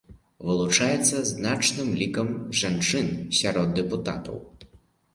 Вылучаецца значным лікам жанчын сярод дэпутатаў.